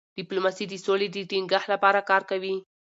ډيپلوماسي د سولې د ټینګښت لپاره کار کوي.